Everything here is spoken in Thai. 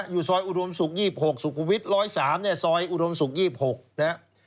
อยู่ซอยอุดวมศุกร์๒๖สุขวิทย์๑๐๓ซอยอุดวมศุกร์๒๖